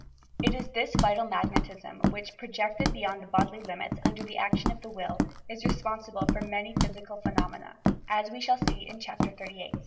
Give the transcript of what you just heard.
It is this vital magnetism, which, projected beyond the bodily limits under the action of the will, is respon sible for many physical phenomena, as we shall see in Chapter XXXVIII.